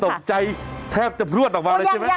ตกใจแทบจะโพรวดออกมาเลยใช่มั้ย